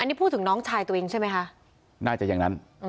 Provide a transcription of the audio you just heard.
นี่พูดถึงน้องชายตัวเองใช่ไหมคะน่าจะอย่างนั้น